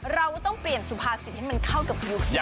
เราต้องเปลี่ยนสุภาษิไทยให้มันเข้าจากยุคสมัย๑๘๐